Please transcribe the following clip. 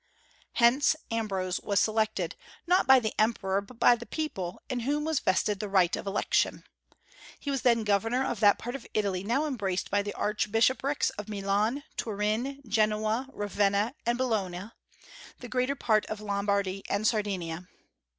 Hence Ambrose was selected, not by the emperor but by the people, in whom was vested the right of election. He was then governor of that part of Italy now embraced by the archbishoprics of Milan, Turin, Genoa, Ravenna, and Bologna, the greater part of Lombardy and Sardinia.